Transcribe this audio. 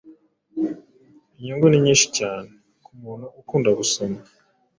inyungu ni nyinshi cyane ku muntu ukunda gusoma